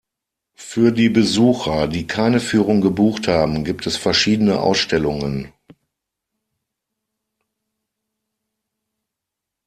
Für die Besucher, die keine Führung gebucht haben, gibt es verschiedene Ausstellungen.